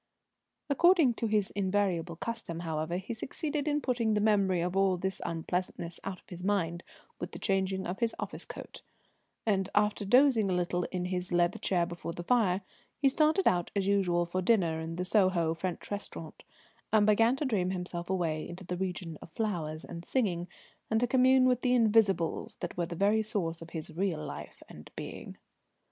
According to his invariable custom, however, he succeeded in putting the memory of all this unpleasantness out of his mind with the changing of his office coat, and after dozing a little in his leather chair before the fire, he started out as usual for dinner in the Soho French restaurant, and began to dream himself away into the region of flowers and singing, and to commune with the Invisibles that were the very sources of his real life and being.